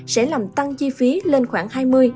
sẽ làm tăng chi phí lên khoảng hai mươi hai mươi năm